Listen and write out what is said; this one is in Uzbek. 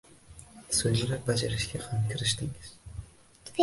Soʻngra bajarishga ham kirishdingiz.